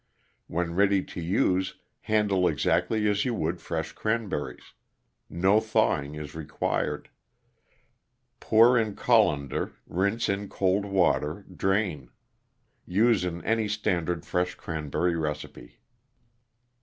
When ready to use handle exactly as you would fresh cranberries. No thawing is required. Pour in colander, rinse in cold water, drain. Use in any standard fresh cranberry recipe.